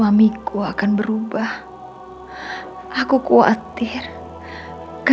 aku gak perlu itu semua nafisa